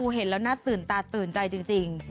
เห็นแล้วน่าตื่นตาตื่นใจจริง